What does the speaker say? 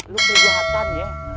lo berjahatan ya